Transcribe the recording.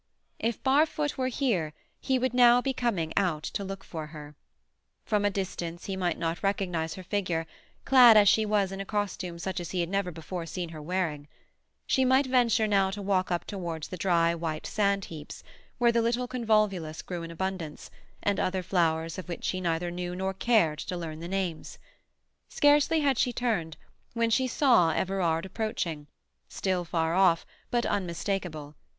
If Barfoot were here he would now be coming out to look for her. From a distance he might not recognize her figure, clad as she was in a costume such as he had never seen her wearing. She might venture now to walk up towards the dry, white sandheaps, where the little convolvulus grew in abundance, and other flowers of which she neither knew nor cared to learn the names. Scarcely had she turned when she saw Everard approaching, still far off, but unmistakable.